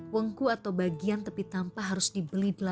wengku atau bagian tepi tampah harus dibeli delapan ratus rupiah per buah